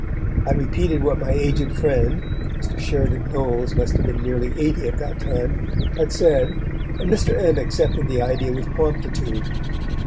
I repeated what my aged friend (Mr. Sheridan Knowles must have been nearly eighty at that time) had said, and Mr. M. accepted the idea with promptitude.